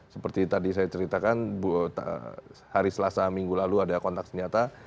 seperti tadi saya ceritakan hari selasa minggu lalu ada kontak senjata